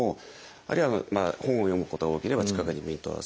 あるいは本を読むことが多ければ近くにピントを合わせる。